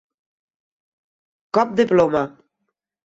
Cop de ploma.